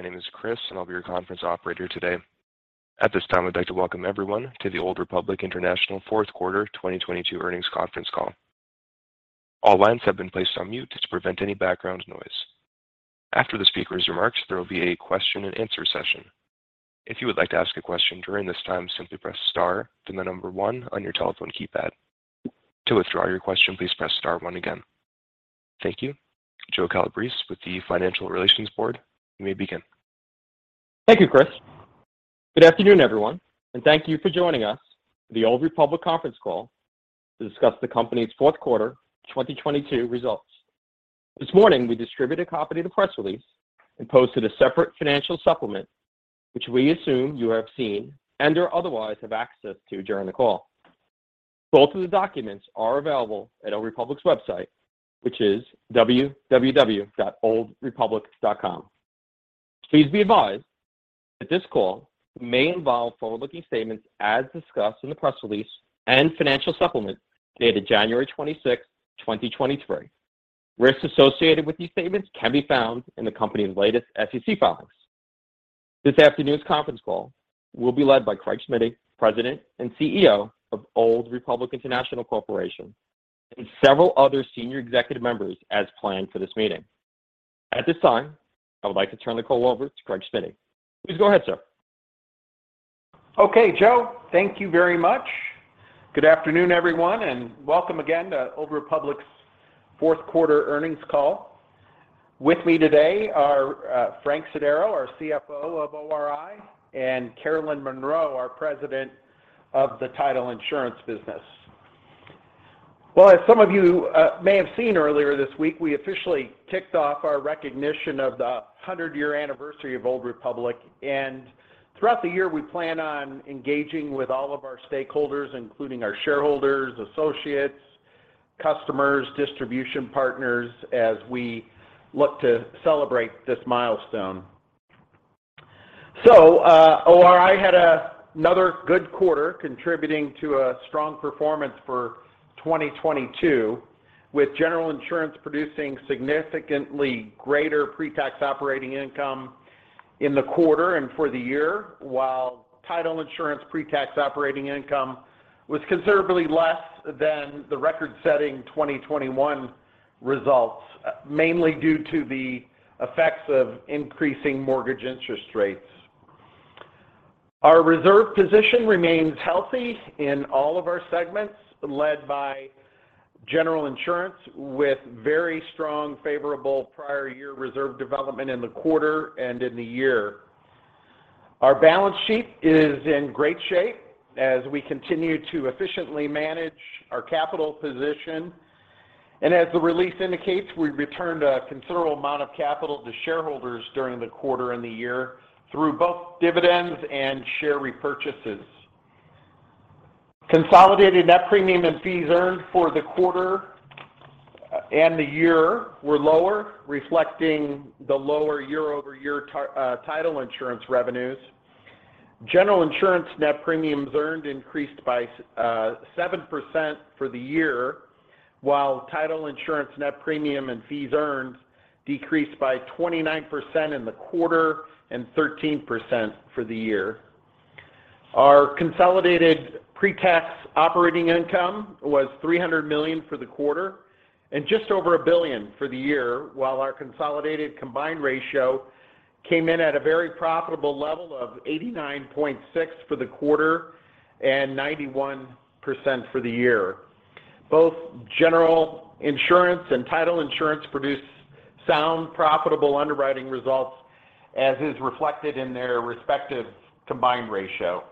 My name is Chris, I'll be your conference operator today. At this time, I'd like to welcome everyone to The Old Republic International Q4 2022 Earnings Conference Call. All lines have been placed on mute to prevent any background noise. After the speaker's remarks, there will be a question-and-answer session. If you would like to ask a question during this time, simply press star, then the number one on your telephone keypad. To withdraw your question, please press star one again. Thank you. Joe Calabrese with the Financial Relations Board, you may begin. Thank you, Chris. Good afternoon, everyone, and thank you for joining us for The Old Republic Conference Call to discuss the company's Q4 2022 results. This morning, we distributed a copy of the press release and posted a separate financial supplement, which we assume you have seen and/or otherwise have access to during the call. Both of the documents are available at Old Republic's website, which is www.oldrepublic.com. Please be advised that this call may involve forward-looking statements as discussed in the press release and financial supplement dated January 26, 2023. Risks associated with these statements can be found in the company's latest SEC filings. This afternoon's conference call will be led by Craig Smiddy, President and CEO of Old Republic International Corporation, and several other senior executive members as planned for this meeting. At this time, I would like to turn the call over to Craig Smiddy. Please go ahead, sir. Okay, Joe. Thank you very much. Good afternoon, everyone, and welcome again to Old Republic's Q4 Earnings Call. With me today are Frank Sodaro, our CFO of ORI, and Carolyn Monroe, our President of the Title Insurance business. As some of you may have seen earlier this week, we officially kicked off our recognition of the 100-year anniversary of Old Republic. Throughout the year, we plan on engaging with all of our stakeholders, including our shareholders, associates, customers, distribution partners, as we look to celebrate this milestone. ORI had another good quarter contributing to a strong performance for 2022, with General Insurance producing significantly greater pre-tax operating income in the quarter and for the year, while Title Insurance pre-tax operating income was considerably less than the record-setting 2021 results, mainly due to the effects of increasing mortgage interest rates. Our reserve position remains healthy in all of our segments, led by General Insurance, with very strong favorable prior year reserve development in the quarter and in the year. Our balance sheet is in great shape as we continue to efficiently manage our capital position. As the release indicates, we returned a considerable amount of capital to shareholders during the quarter and the year through both dividends and share repurchases. Consolidated net premium and fees earned for the quarter and the year were lower, reflecting the lower year-over-year Title Insurance revenues. General Insurance net premiums earned increased by 7% for the year, while Title Insurance net premium and fees earned decreased by 29% in the quarter and 13% for the year. Our consolidated pre-tax operating income was $300 million for the quarter and just over $1 billion for the year, while our consolidated combined ratio came in at a very profitable level of 89.6% for the quarter and 91% for the year. Both General Insurance and Title Insurance produced sound, profitable underwriting results as is reflected in their respective combined ratio.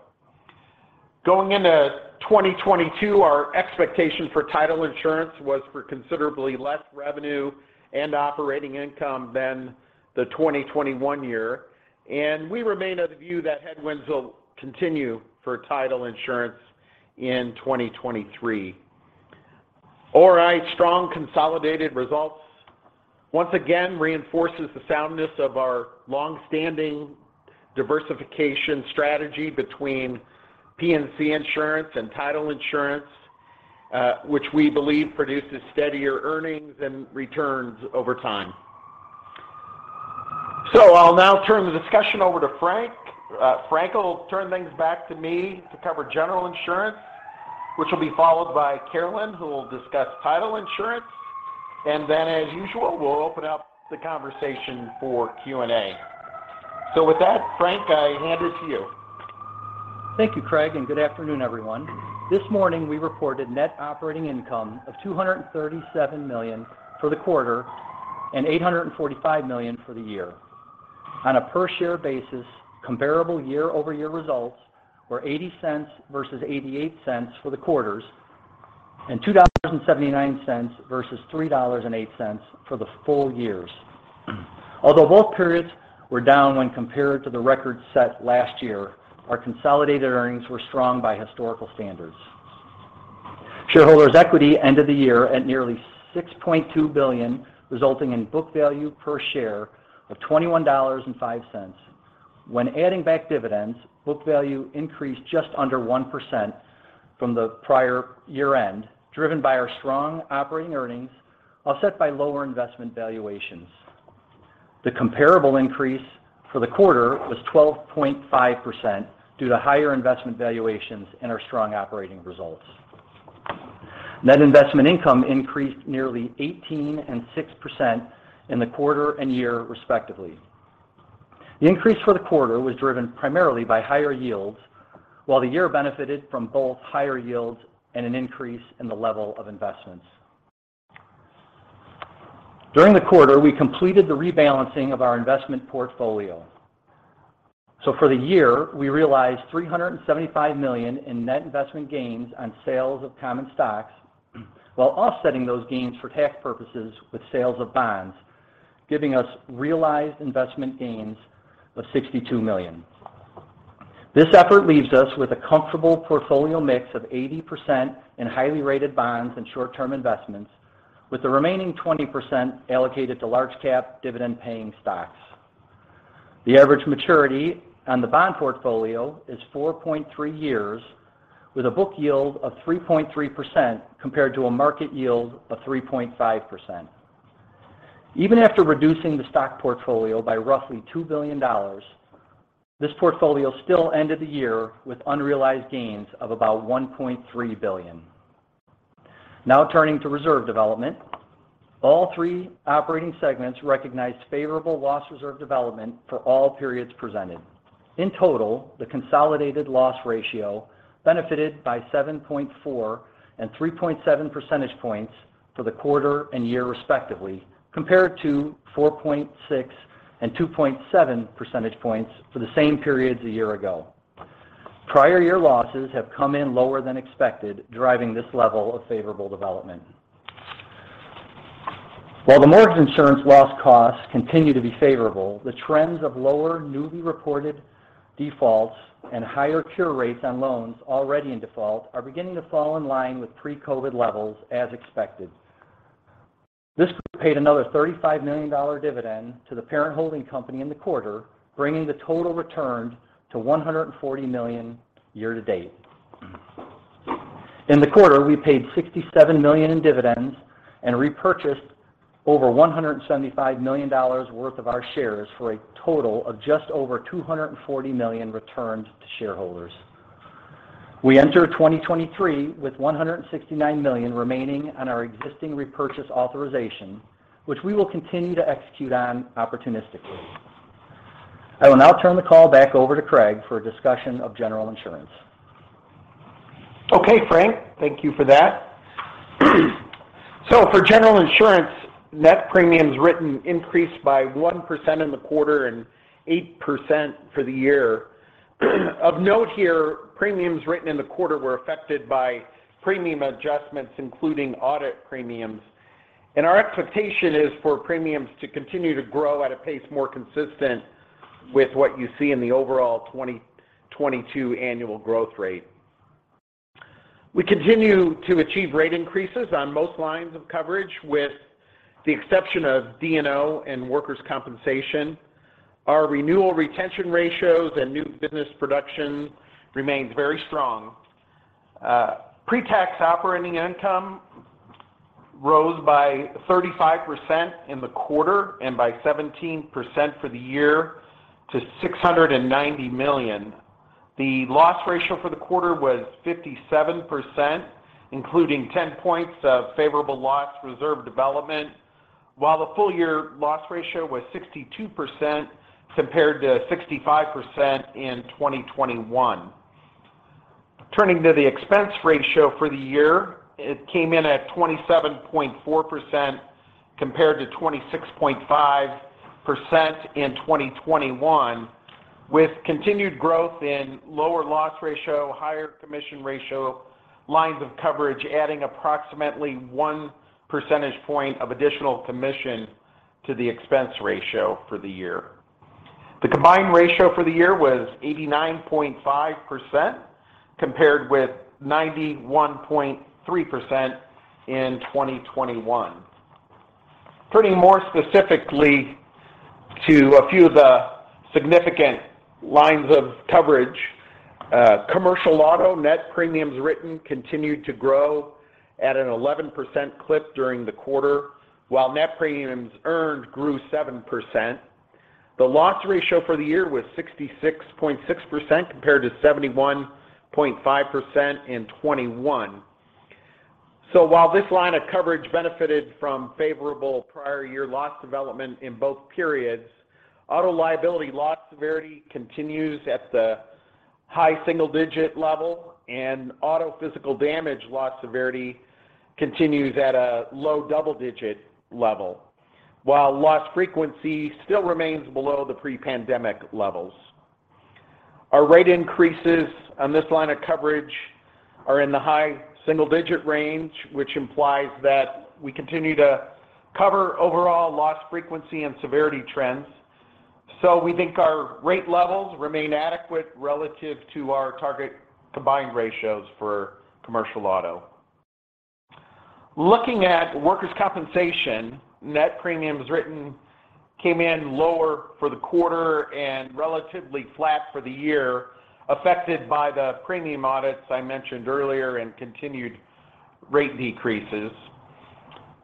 Going into 2022, our expectation for Title Insurance was for considerably less revenue and operating income than the 2021 year, and we remain of the view that headwinds will continue for Title Insurance in 2023. ORI's strong consolidated results once again reinforces the soundness of our long-standing diversification strategy between P&C insurance and Title Insurance, which we believe produces steadier earnings and returns over time. I'll now turn the discussion over to Frank. Frank will turn things back to me to cover General Insurance, which will be followed by Carolyn, who will discuss Title Insurance. As usual, we'll open up the conversation for Q&A. With that, Frank, I hand it to you. Thank you, Craig, and good afternoon, everyone. This morning, we reported net operating income of $237 million for the quarter and $845 million for the year. On a per-share basis, comparable year-over-year results were $0.80 versus 0.88 for the quarters and $2.79 versus 3.08 for the full years. Although both periods were down when compared to the record set last year, our consolidated earnings were strong by historical standards. Shareholders' equity ended the year at nearly $6.2 billion, resulting in book value per share of $21.05. When adding back dividends, book value increased just under 1% from the prior year-end, driven by our strong operating earnings offset by lower investment valuations. The comparable increase for the quarter was 12.5% due to higher investment valuations and our strong operating results. Net investment income increased nearly 18% and 6% in the quarter and year, respectively. The increase for the quarter was driven primarily by higher yields, while the year benefited from both higher yields and an increase in the level of investments. During the quarter, we completed the rebalancing of our investment portfolio. For the year, we realized $375 million in net investment gains on sales of common stocks while offsetting those gains for tax purposes with sales of bonds, giving us realized investment gains of $62 million. This effort leaves us with a comfortable portfolio mix of 80% in highly rated bonds and short-term investments, with the remaining 20% allocated to large-cap dividend-paying stocks. The average maturity on the bond portfolio is 4.3 years, with a book yield of 3.3% compared to a market yield of 3.5%. Even after reducing the stock portfolio by roughly $2 billion, this portfolio still ended the year with unrealized gains of about $1.3 billion. Now turning to reserve development. All three operating segments recognized favorable loss reserve development for all periods presented. In total, the consolidated loss ratio benefited by 7.4 and 3.7 percentage points for the quarter and year, respectively, compared to 4.6 and 2.7 percentage points for the same periods a year ago. Prior year losses have come in lower than expected, driving this level of favorable development. While the mortgage insurance loss costs continue to be favorable, the trends of lower newly reported defaults and higher cure rates on loans already in default are beginning to fall in line with pre-COVID levels, as expected. This group paid another $35 million dividend to the parent holding company in the quarter, bringing the total returned to 140 million year to date. In the quarter, we paid $67 million in dividends and repurchased over 175 million worth of our shares for a total of just over $240 million returned to shareholders. We enter 2023 with $169 million remaining on our existing repurchase authorization, which we will continue to execute on opportunistically. I will now turn the call back over to Craig for a discussion of general insurance. Okay, Frank. Thank you for that. For general insurance, net premiums written increased by 1% in the quarter and 8% for the year. Of note here, premiums written in the quarter were affected by premium adjustments, including audit premiums. Our expectation is for premiums to continue to grow at a pace more consistent with what you see in the overall 2022 annual growth rate. We continue to achieve rate increases on most lines of coverage with the exception of D&O and workers' compensation. Our renewal retention ratios and new business production remains very strong. Pre-tax operating income rose by 35% in the quarter and by 17% for the year to $690 million. The loss ratio for the quarter was 57%, including 10 points of favorable loss reserve development, while the full year loss ratio was 62% compared to 65% in 2021. Turning to the expense ratio for the year, it came in at 27.4% compared to 26.5% in 2021, with continued growth in lower loss ratio, higher commission ratio lines of coverage adding approximately one percentage point of additional commission to the expense ratio for the year. The combined ratio for the year was 89.5% compared with 91.3% in 2021. Turning more specifically to a few of the significant lines of coverage, commercial auto net premiums written continued to grow at an 11% clip during the quarter, while net premiums earned grew 7%. The loss ratio for the year was 66.6% compared to 71.5% in 2021. While this line of coverage benefited from favorable prior year loss development in both periods, auto liability loss severity continues at the high single-digit level and auto physical damage loss severity continues at a low double-digit level, while loss frequency still remains below the pre-pandemic levels. Our rate increases on this line of coverage are in the high single-digit range, which implies that we continue to cover overall loss frequency and severity trends. We think our rate levels remain adequate relative to our target combined ratios for commercial auto. Looking at workers' compensation, net premiums written came in lower for the quarter and relatively flat for the year, affected by the premium audits I mentioned earlier and continued rate decreases.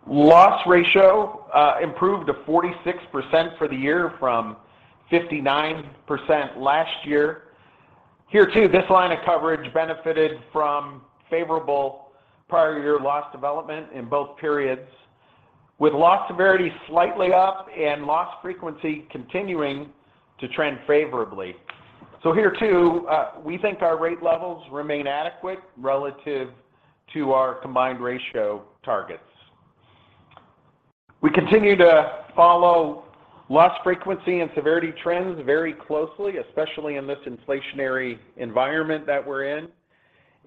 Loss ratio improved to 46% for the year from 59% last year. Here too, this line of coverage benefited from favorable prior year loss development in both periods, with loss severity slightly up and loss frequency continuing to trend favorably. Here too, we think our rate levels remain adequate relative to our combined ratio targets. We continue to follow loss frequency and severity trends very closely, especially in this inflationary environment that we're in,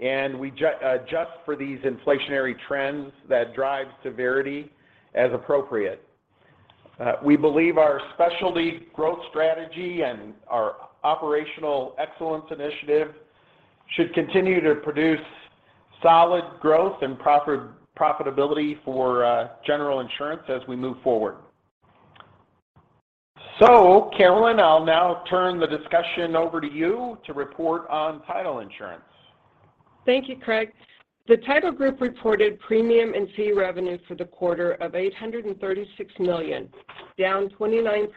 and we adjust for these inflationary trends that drive severity as appropriate. We believe our specialty growth strategy and our operational excellence initiative should continue to produce solid growth and profitability for general insurance as we move forward. Carolyn, I'll now turn the discussion over to you to report on title insurance. Thank you, Craig. The Title group reported premium and fee revenue for the quarter of $836 million, down 29%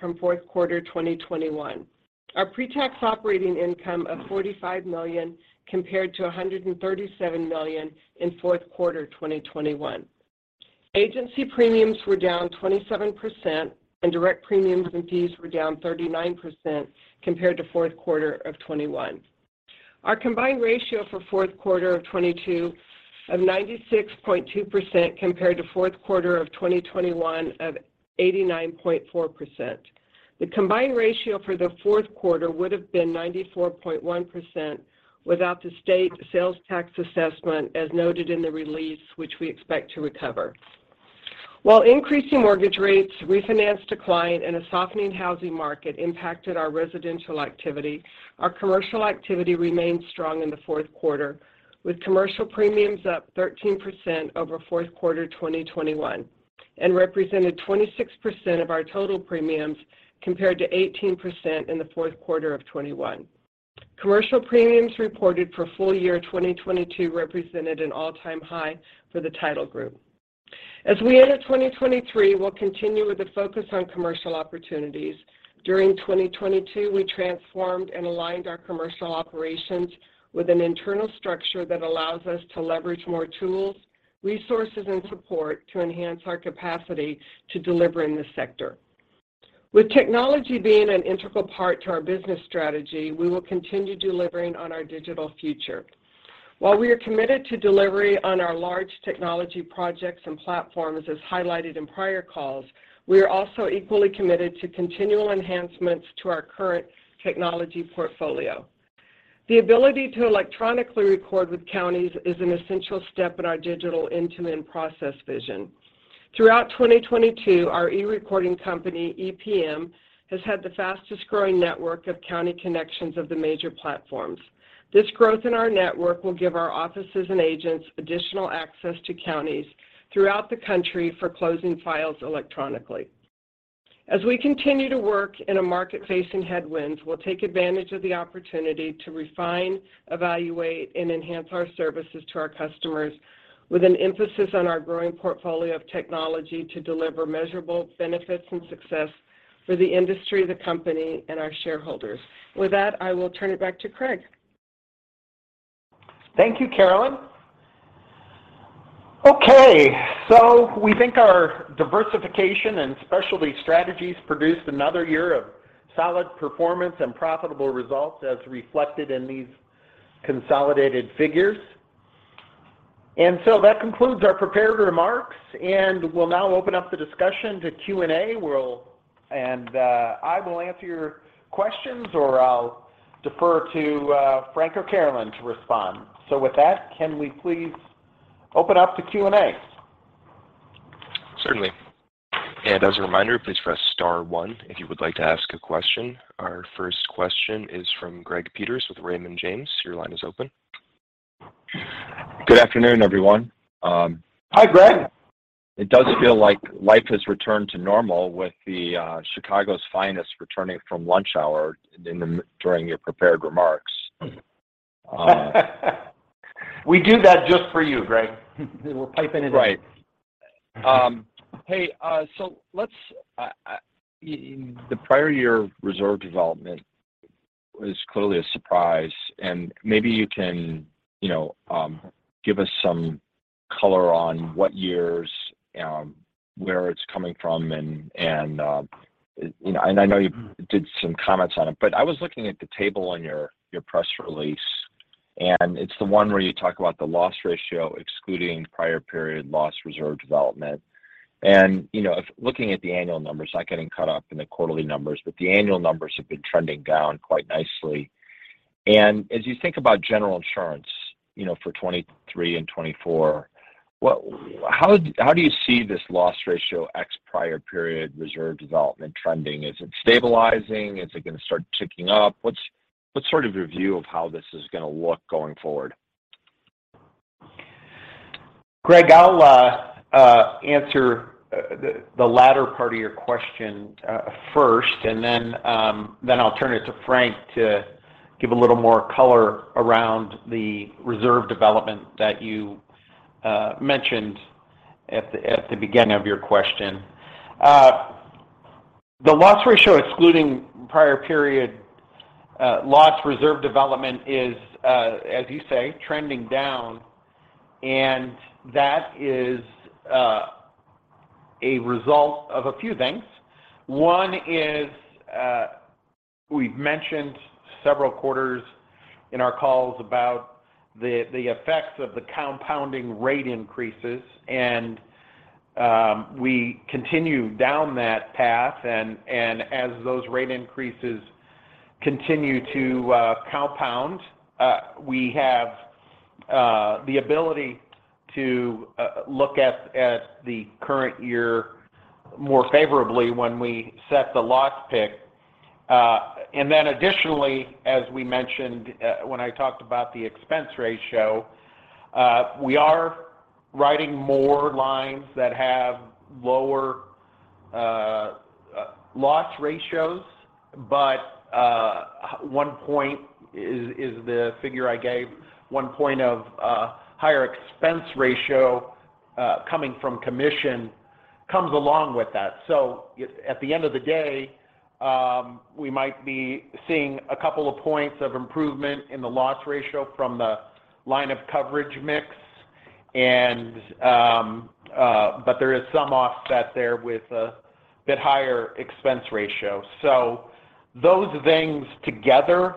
from Q4 2021. Our pre-tax operating income of $45 compared to 137 million in Q4 2021. Agency premiums were down 27%, and direct premiums and fees were down 39% compared to Q4 of 2021. Our combined ratio for Q4 of 2022 of 96.2% compared to Q4 of 2021 of 89.4%. The combined ratio for Q4 would have been 94.1% without the state sales tax assessment, as noted in the release, which we expect to recover. While increasing mortgage rates, refinance decline, and a softening housing market impacted our residential activity, our commercial activity remained strong in Q4, with commercial premiums up 13% over Q4 2021 and represented 26% of our total premiums, compared to 18% in Q4 of 2021. Commercial premiums reported for full year 2022 represented an all-time high for the Title group. As we enter 2023, we'll continue with a focus on commercial opportunities. During 2022, we transformed and aligned our commercial operations with an internal structure that allows us to leverage more tools, resources, and support to enhance our capacity to deliver in this sector. With technology being an integral part to our business strategy, we will continue delivering on our digital future. While we are committed to delivery on our large technology projects and platforms as highlighted in prior calls, we are also equally committed to continual enhancements to our current technology portfolio. The ability to electronically record with counties is an essential step in our digital end-to-end process vision. Throughout 2022, our eRecording company, ePN, has had the fastest growing network of county connections of the major platforms. This growth in our network will give our offices and agents additional access to counties throughout the country for closing files electronically. As we continue to work in a market facing headwinds, we'll take advantage of the opportunity to refine, evaluate, and enhance our services to our customers with an emphasis on our growing portfolio of technology to deliver measurable benefits and success for the industry, the company, and our shareholders. With that, I will turn it back to Craig. Thank you, Carolyn. Okay, we think our diversification and specialty strategies produced another year of solid performance and profitable results as reflected in these consolidated figures. That concludes our prepared remarks, and we'll now open up the discussion to Q&A. I will answer your questions or I'll defer to Frank or Carolyn to respond. With that, can we please open up to Q&A? Certainly. As a reminder, please press star one if you would like to ask a question. Our first question is from Greg Peters with Raymond James. Your line is open. Good afternoon, everyone. Hi, Greg. It does feel like life has returned to normal with the Chicago's finest returning from lunch hour during your prepared remarks. We do that just for you, Greg. Right. The prior year reserve development is clearly a surprise. Maybe you can, you know, give us some color on what years, where it's coming from, and, you know, I know you did some comments on it, but I was looking at the table on your press release, and it's the one where you talk about the loss ratio, excluding prior period loss reserve development. You know, if looking at the annual numbers, not getting caught up in the quarterly numbers, but the annual numbers have been trending down quite nicely. As you think about general insurance, you know, for 2023 and 2024, how do you see this loss ratio ex prior period reserve development trending? Is it stabilizing? Is it going to start ticking up? What sort of review of how this is going to look going forward? Craig, I'll answer the latter part of your question first, then I'll turn it to Frank to give a little more color around the reserve development that you mentioned at the beginning of your question. The loss ratio excluding prior period loss reserve development is, as you say, trending down. That is a result of a few things. One is we've mentioned several quarters in our calls about the effects of the compounding rate increases. We continue down that path. As those rate increases continue to compound, we have the ability to look at the current year more favorably when we set the loss pick. Additionally, as we mentioned when I talked about the expense ratio, we are writing more lines that have lower loss ratios. One point is the figure I gave, one point of higher expense ratio coming from commission comes along with that. At the end of the day, we might be seeing a couple of points of improvement in the loss ratio from the line of coverage mix. There is some offset there with a bit higher expense ratio. Those things together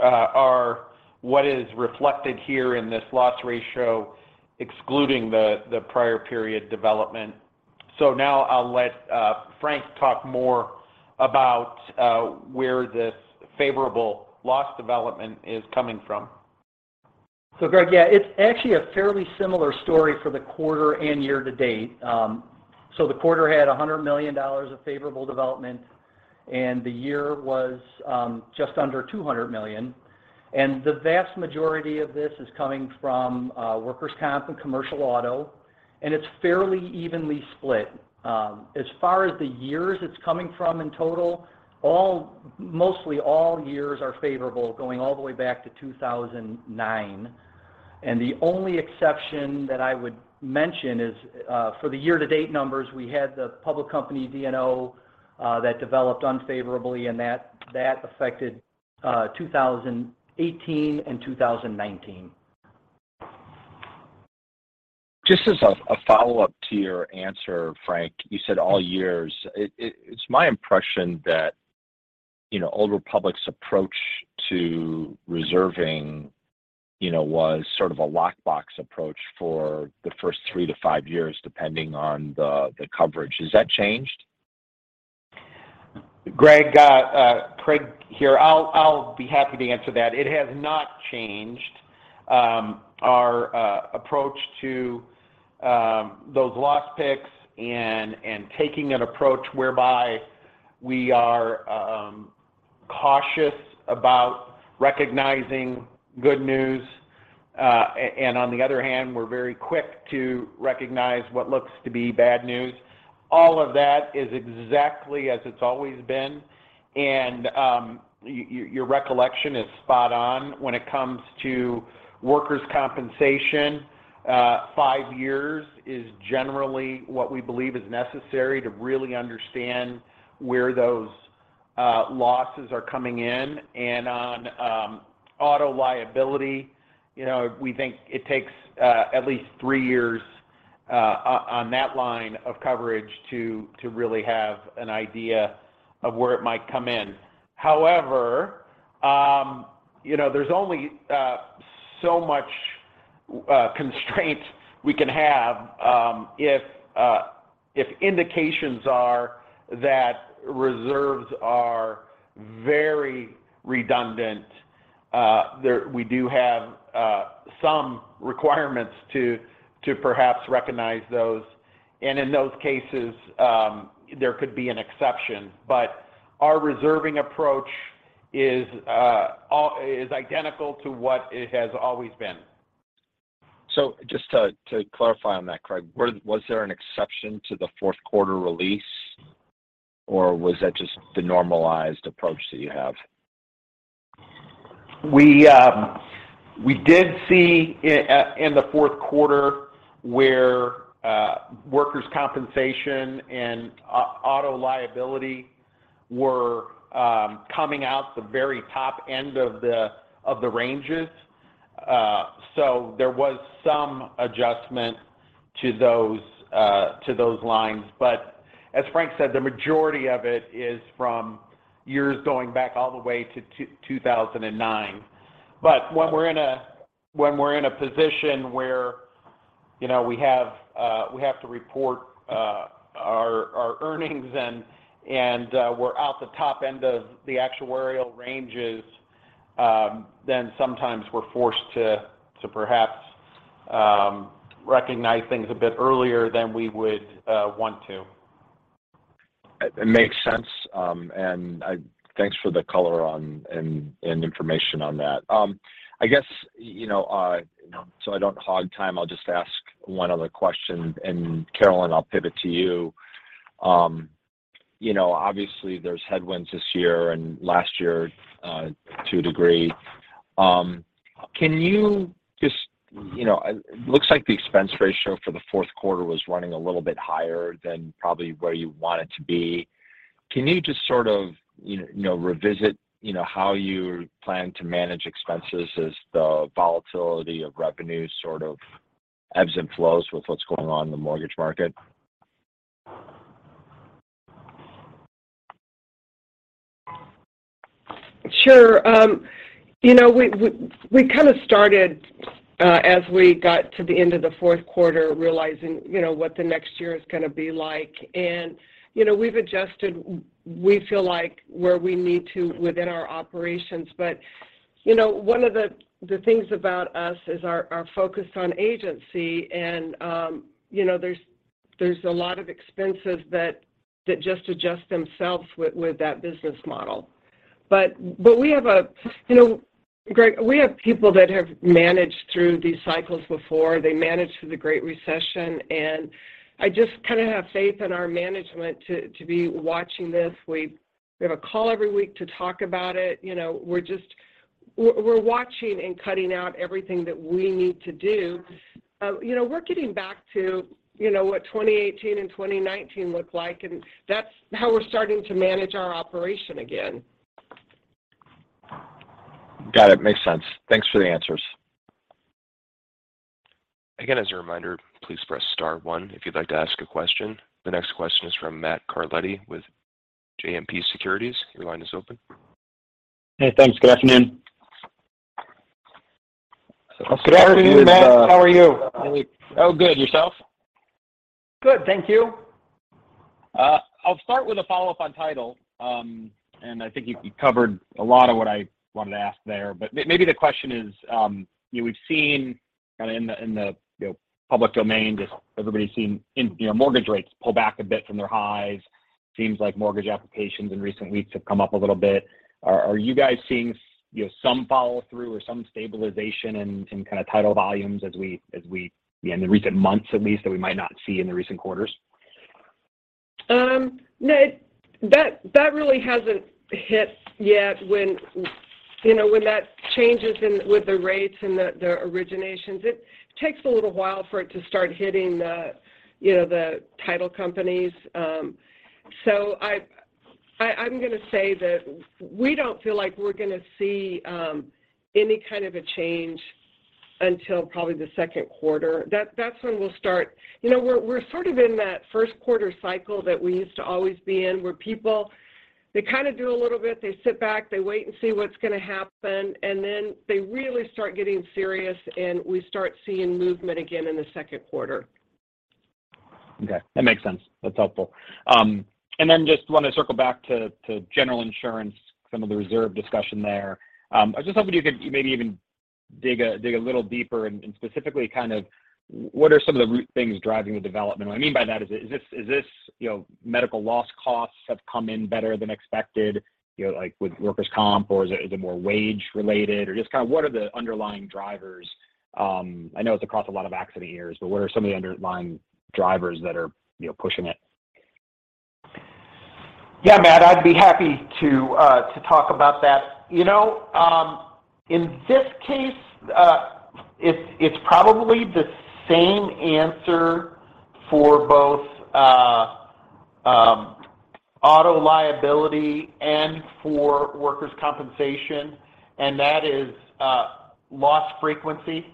are what is reflected here in this loss ratio, excluding the prior period development. Now I'll let Frank talk more about where this favorable loss development is coming from. Greg, yeah, it's actually a fairly similar story for the quarter and year to date. The quarter had $100 million of favorable development and the year was just under $200 million. The vast majority of this is coming from workers' comp and commercial auto. It's fairly evenly split. As far as the years it's coming from in total, mostly all years are favorable going all the way back to 2009. The only exception that I would mention is for the year to date numbers, we had the public company D&O that developed unfavorably and that affected 2018 and 2019. Just as a follow-up to your answer, Frank, you said all years. It's my impression that Old Republic's approach to reserving was sort of a lockbox approach for the first three to five years, depending on the coverage. Has that changed? Greg, Craig here. I'll be happy to answer that. It has not changed our approach to those loss picks and taking an approach whereby we are cautious about recognizing good news. On the other hand, we're very quick to recognize what looks to be bad news. All of that is exactly as it's always been. Your recollection is spot on when it comes to workers' compensation. Five years is generally what we believe is necessary to really understand where those losses are coming in. On auto liability, we think it takes at least three years on that line of coverage to really have an idea of where it might come in. However, there's only so much constraint we can have if indications are that reserves are very redundant. We do have some requirements to perhaps recognize those. In those cases, there could be an exception. Our reserving approach is identical to what it has always been. Just to clarify on that, Craig, was there an exception to Q4 release or was that just the normalized approach that you have? We did see in Q4 where workers' compensation and auto liability were coming out the very top end of the ranges. There was some adjustment to those lines. As Frank said, the majority of it is from years going back all the way to 2009. When we're in a position where we have to report our earnings and we're out the top end of the actuarial ranges, sometimes we're forced to perhaps recognize things a bit earlier than we would want to. It makes sense, and thanks for the color and information on that. I guess, you know, you know, so I don't hog time, I'll just ask one other question. Carolyn, I'll pivot to you. You know, obviously there's headwinds this year and last year to a degree. It looks like the expense ratio for Q4 was running a little bit higher than probably where you want it to be. Can you just sort of, you know, you know, revisit, you know, how you plan to manage expenses as the volatility of revenue sort of ebbs and flows with what's going on in the mortgage market? Sure. You know, we kind of started as we got to the end of Q4 realizing, you know, what the next year is gonna be like. You know, we've adjusted we feel like where we need to within our operations. You know, one of the things about us is our focus on agency and, you know, there's a lot of expenses that just adjust themselves with that business model. But we have a. You know, Greg, we have people that have managed through these cycles before. They managed through the Great Recession. I just kind of have faith in our management to be watching this. We have a call every week to talk about it. You know, we're just. We're watching and cutting out everything that we need to do. You know, we're getting back to, you know, what 2018 and 2019 looked like, and that's how we're starting to manage our operation again. Got it. Makes sense. Thanks for the answers. Again, as a reminder, please press star one if you'd like to ask a question. The next question is from Matthew Carletti with JMP Securities. Your line is open. Hey, thanks. Good afternoon. Good afternoon, Matt. How are you? Oh, good. Yourself? Good. Thank you. I'll start with a follow-up on Title. I think you covered a lot of what I wanted to ask there. Maybe the question is, you know, we've seen kind of in the public domain, just everybody's seen, you know, mortgage rates pull back a bit from their highs. Seems like mortgage applications in recent weeks have come up a little bit. Are you guys seeing, you know, some follow-through or some stabilization in kind of Title volumes as we in the recent months at least that we might not see in the recent quarters? No, that really hasn't hit yet when, you know, when that changes in with the rates and the originations. It takes a little while for it to start hitting the, you know, the title companies. I, I'm gonna say that we don't feel like we're gonna see any kind of a change until probably Q2. That's when we'll start. You know, we're sort of in that Q2 cycle that we used to always be in, where people, they kind of do a little bit, they sit back, they wait and see what's gonna happen, and then they really start getting serious, and we start seeing movement again in Q2. Okay. That makes sense. That's helpful. Then just want to circle back to general insurance, some of the reserve discussion there. I was just hoping you could maybe even dig a little deeper and specifically kind of what are some of the root things driving the development? What I mean by that, is this, is this, you know, medical loss costs have come in better than expected, you know, like with workers' comp or is it more wage related or just kind of what are the underlying drivers? I know it's across a lot of accident years, but what are some of the underlying drivers that are, you know, pushing it? Yeah, Matt, I'd be happy to talk about that. You know, in this case, it's probably the same answer for both auto liability and for workers' compensation, and that is loss frequency.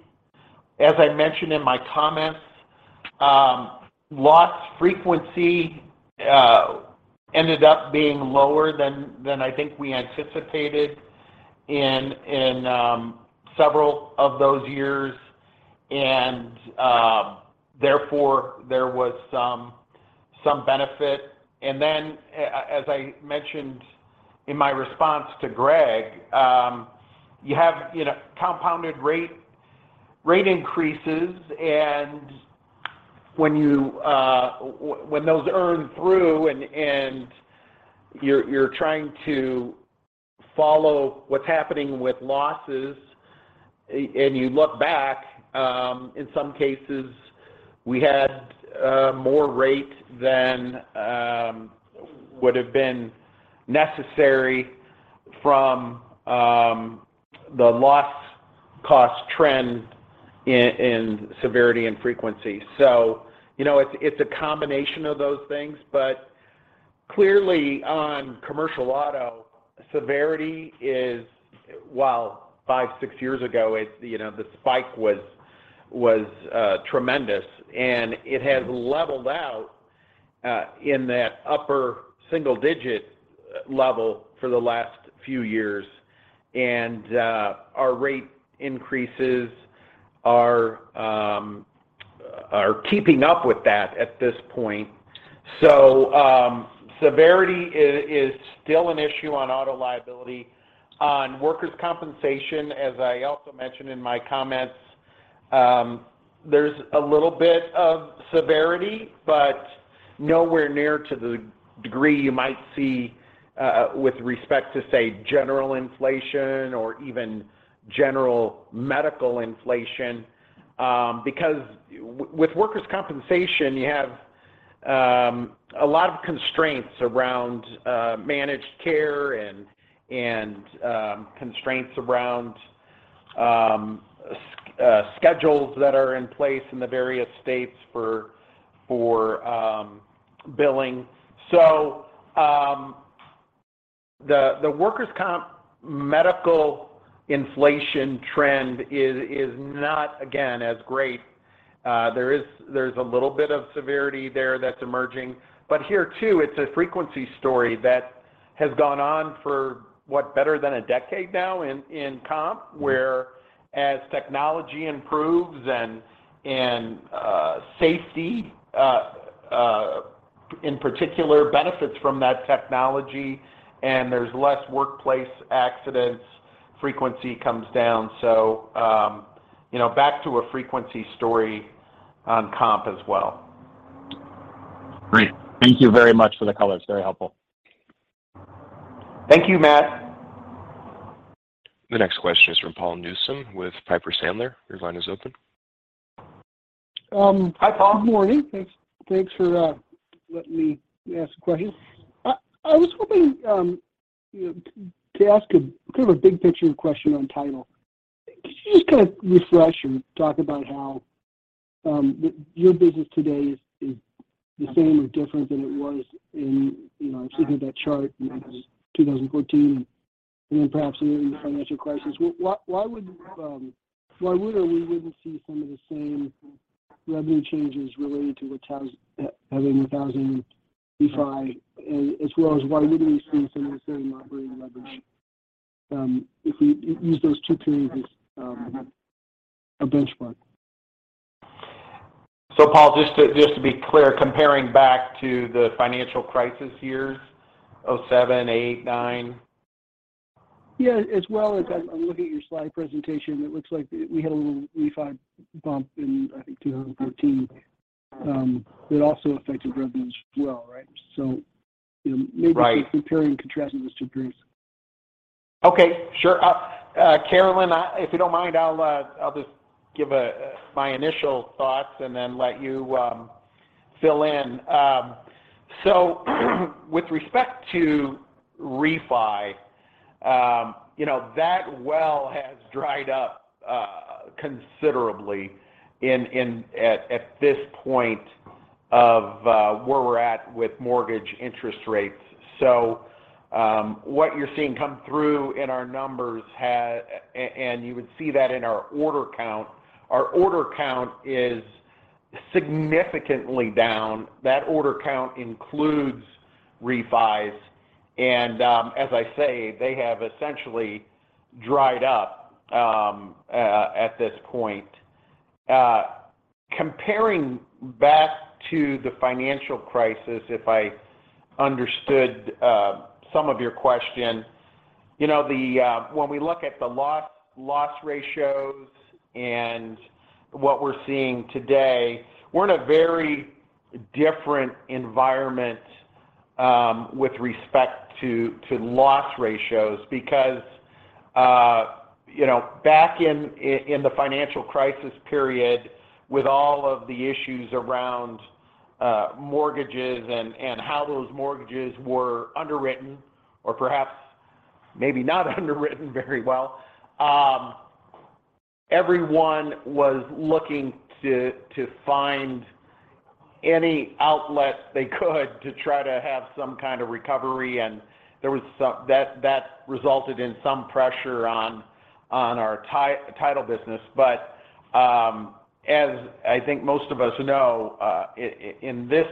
As I mentioned in my comments, loss frequency ended up being lower than I think we anticipated in several of those years and therefore there was some benefit. Then as I mentioned in my response to Greg, you have, you know, compounded rate increases and when those earn through and you're trying to follow what's happening with losses and you look back, in some cases we had more rate than would've been necessary from the loss cost trend in severity and frequency. You know, it's a combination of those things, but clearly on commercial auto, severity is while five, six years ago, you know, the spike was tremendous and it has leveled out in that upper single-digit level for the last few years. Our rate increases are keeping up with that at this point. Severity is still an issue on auto liability. On workers' compensation, as I also mentioned in my comments. There's a little bit of severity, but nowhere near to the degree you might see with respect to, say, general inflation or even general medical inflation. Because with workers' compensation, you have a lot of constraints around managed care and constraints around schedules that are in place in the various states for billing. The workers' comp medical inflation trend is not, again, as great. There's a little bit of severity there that's emerging. Here, too, it's a frequency story that has gone on for, what, better than a decade now in comp, where as technology improves and safety in particular benefits from that technology, and there's less workplace accidents, frequency comes down. You know, back to a frequency story on comp as well. Great. Thank you very much for the color. It's very helpful. Thank you, Matt. The next question is from Paul Newsome with Piper Sandler. Your line is open. Hi, Paul. Good morning. Thanks for letting me ask a question. I was hoping, you know, to ask a kind of a big picture question on Title. Could you just kind of refresh and talk about how your business today is the same or different than it was in, you know, I'm seeing that chart, you know, 2014, and then perhaps even the financial crisis. Why would or we wouldn't see some of the same revenue changes related to what has happening in 2005? Why wouldn't we see some of the same operating leverage, if we use those two periods as a benchmark? Paul, just to be clear, comparing back to the financial crisis years, 2007, 2008, 2009? Yeah. As well as I'm looking at your slide presentation, it looks like we had a little refi bubble in, I think, 2014, that also affected revenues as well, right? you know. Right. Maybe just comparing and contrasting those two periods. Okay. Sure. Carolyn, if you don't mind, I'll just give my initial thoughts and then let you fill in. With respect to refi, you know, that well has dried up considerably in, at this point of where we're at with mortgage interest rates. What you're seeing come through in our numbers and you would see that in our order count, our order count is significantly down. That order count includes refis. As I say, they have essentially dried up at this point. Comparing back to the financial crisis, if I understood some of your question. You know, when we look at the loss ratios and what we're seeing today, we're in a very different environment with respect to loss ratios. You know, back in the financial crisis period, with all of the issues around mortgages and how those mortgages were underwritten, or perhaps maybe not underwritten very well, everyone was looking to find any outlet they could to try to have some kind of recovery. That resulted in some pressure on our Title business. As I think most of us know, in this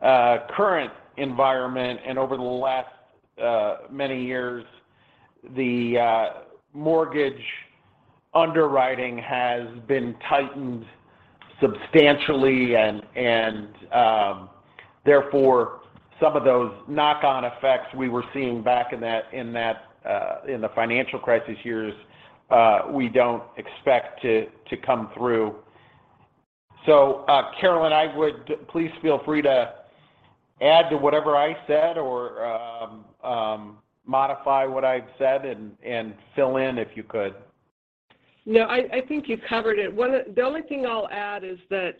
current environment and over the last many years, the mortgage underwriting has been tightened substantially and, therefore, some of those knock-on effects we were seeing back in that financial crisis years, we don't expect to come through. Carolyn. Please feel free to add to whatever I said or modify what I've said and fill in if you could. No, I think you've covered it. The only thing I'll add is that,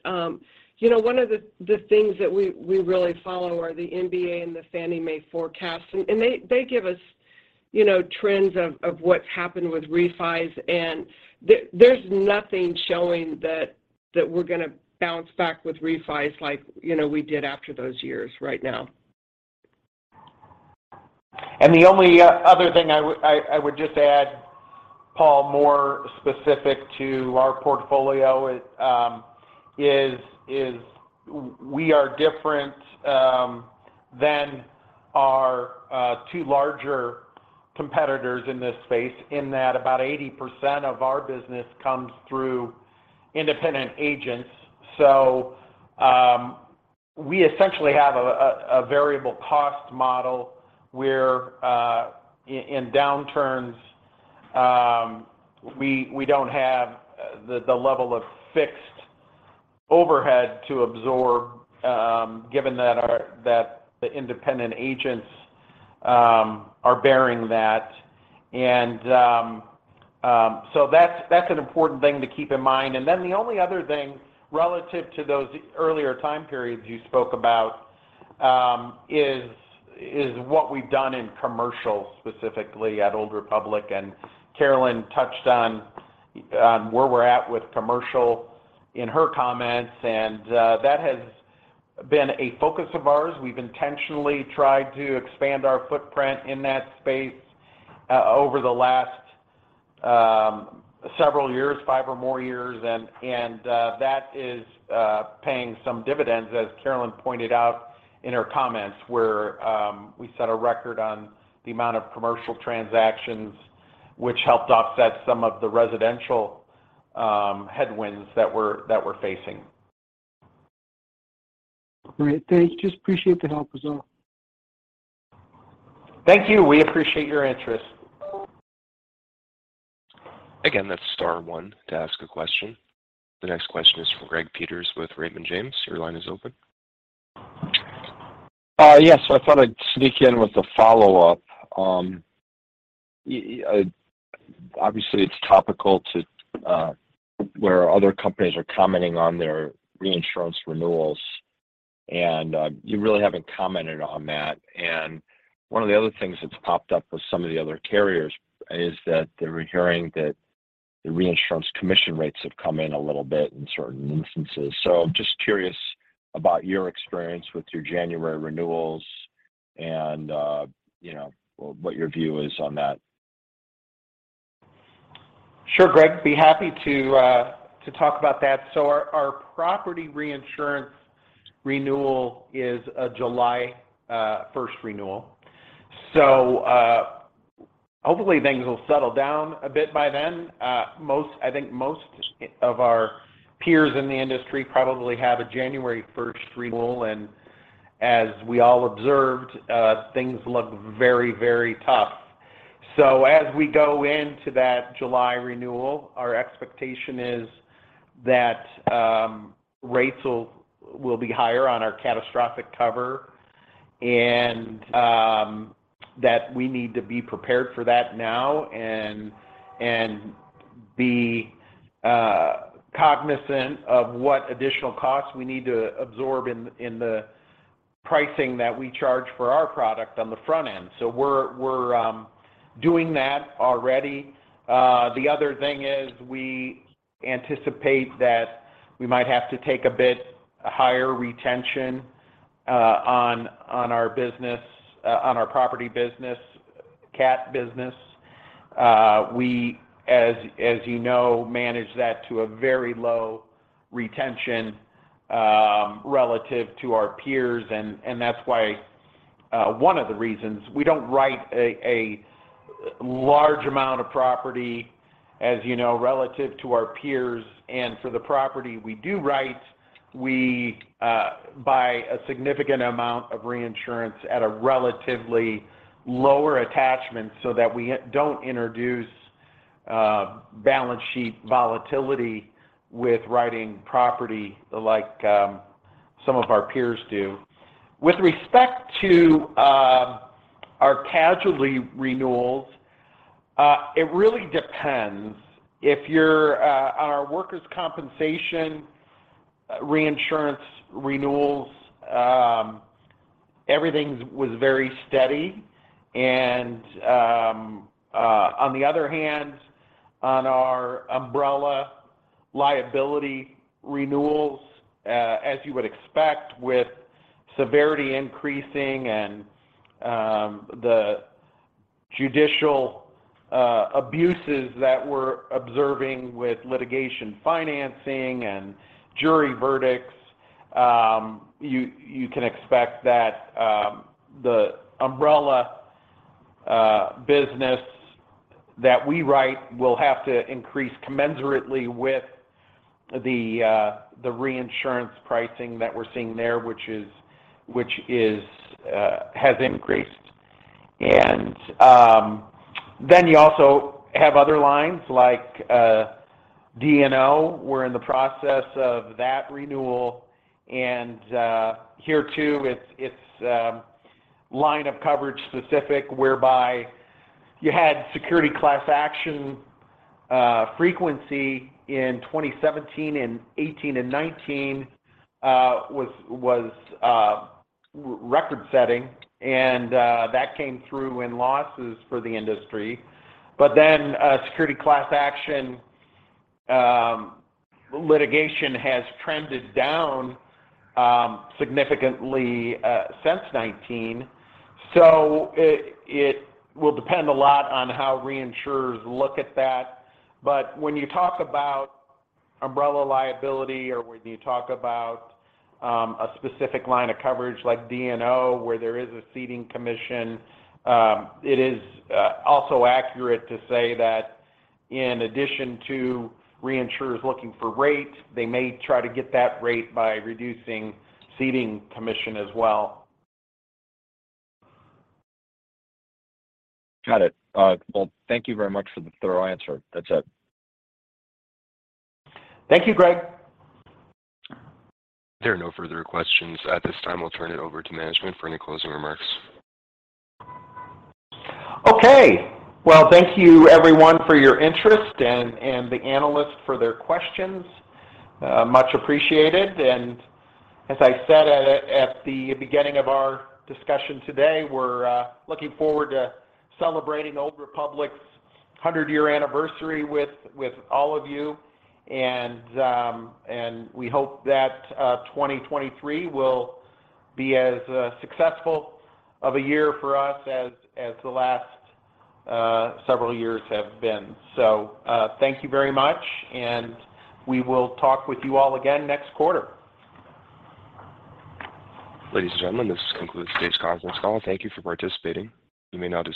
you know, one of the things that we really follow are the MBA and the Fannie Mae forecasts. They, they give us, you know, trends of what's happened with refis. There's nothing showing that we're gonna bounce back with refis like, you know, we did after those years right now. The only other thing I would just add, Paul, more specific to our portfolio, is we are different than our two larger competitors in this space, in that about 80% of our business comes through independent agents. We essentially have a variable cost model where in downturns, we don't have the level of fixed overhead to absorb, given that the independent agents are bearing that. So that's an important thing to keep in mind. The only other thing relative to those earlier time periods you spoke about, is what we've done in commercial, specifically at Old Republic. Carolyn touched on where we're at with commercial in her comments, and that has been a focus of ours. We've intentionally tried to expand our footprint in that space, over the last several years, five or more years. That is paying some dividends, as Carolyn pointed out in her comments, where we set a record on the amount of commercial transactions, which helped offset some of the residential headwinds that we're facing. Great. Thank you. Just appreciate the help, that's all. Thank you. We appreciate your interest. Again, that's star one to ask a question. The next question is from Greg Peters with Raymond James. Your line is open. Yes. I thought I'd sneak in with a follow-up. Obviously, it's topical to where other companies are commenting on their reinsurance renewals, and you really haven't commented on that. One of the other things that's popped up with some of the other carriers is that they were hearing that the reinsurance commission rates have come in a little bit in certain instances. Just curious about your experience with your January renewals and, you know, what your view is on that? Sure, Greg. I'll be happy to talk about that. Our property reinsurance renewal is a July first renewal. Hopefully things will settle down a bit by then. I think most of our peers in the industry probably have a January first renewal. As we all observed, things look very, very tough. As we go into that July renewal, our expectation is that rates will be higher on our catastrophic cover and that we need to be prepared for that now and be cognizant of what additional costs we need to absorb in the pricing that we charge for our product on the front end. We're doing that already. The other thing is we anticipate that we might have to take a bit higher retention on our business, on our property business, cat business. We as you know, manage that to a very low retention relative to our peers. That's why one of the reasons we don't write a large amount of property as you know, relative to our peers. For the property we do write, we buy a significant amount of reinsurance at a relatively lower attachment so that we don't introduce balance sheet volatility with writing property like some of our peers do. With respect to our casualty renewals, it really depends. If you're on our workers' compensation reinsurance renewals, everything's was very steady. On the other hand, on our umbrella liability renewals, as you would expect with severity increasing and the judicial abuses that we're observing with litigation financing and jury verdicts, you can expect that the umbrella business that we write will have to increase commensurately with the reinsurance pricing that we're seeing there, which has increased. Then you also have other lines, like D&O. We're in the process of that renewal. Here too, it's line of coverage specific whereby you had securities class action frequency in 2017 and 2018 and 2019 was record setting. That came through in losses for the industry. Securities class action litigation has trended down significantly since 2019. It will depend a lot on how reinsurers look at that. When you talk about umbrella liability or when you talk about a specific line of coverage like D&O, where there is a ceding commission, it is also accurate to say that in addition to reinsurers looking for rate, they may try to get that rate by reducing ceding commission as well. Got it. Well, thank you very much for the thorough answer. That's it. Thank you, Greg. There are no further questions. At this time, we'll turn it over to management for any closing remarks. Okay. Well, thank you everyone for your interest and the analysts for their questions. Much appreciated. As I said at the beginning of our discussion today, we're looking forward to celebrating Old Republic's 100-year anniversary with all of you. And we hope that 2023 will be as successful of a year for us as the last several years have been. Thank you very much, and we will talk with you all again next quarter. Ladies and gentlemen, this concludes today's conference call. Thank you for participating. You may now disconnect.